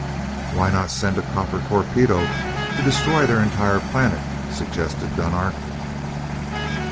"Why not send a copper torpedo to destroy their entire planet?" suggested Dunark.